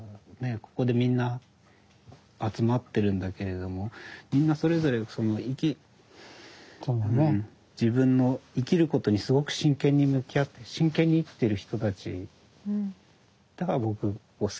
ここでみんな集まってるんだけれどもみんなそれぞれその自分の生きることにすごく真剣に向き合って真剣に生きてる人たちだから僕ここが好き。